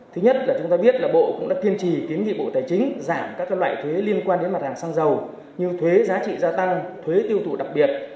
thứ nhất là chúng ta biết là bộ cũng đã kiên trì kiến nghị bộ tài chính giảm các loại thuế liên quan đến mặt hàng xăng dầu như thuế giá trị gia tăng thuế tiêu thụ đặc biệt